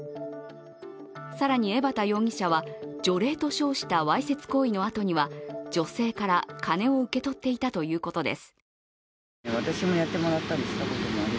更に江畑容疑者は除霊と称したわいせつ行為のあとには女性から金を受け取っていたということです。